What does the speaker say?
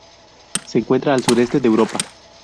Se encuentra al sureste de Europa.